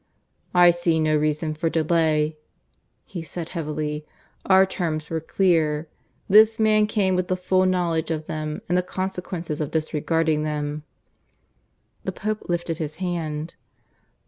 "I see no reason for delay," he said heavily. "Our terms were clear. This man came with the full knowledge of them and the consequences of disregarding them " The Pope lifted his hand.